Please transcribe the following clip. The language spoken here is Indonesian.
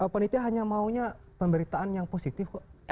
penitia hanya maunya pemberitaan yang positif kok